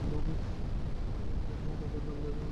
মাঝেমধ্যে রোদের দেখা মিললে একটা একটা করে রোদের তাপে দিতে পারেন।